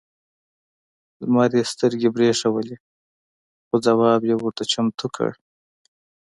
لمر یې سترګې برېښولې خو ځواب یې ورته چمتو کړ.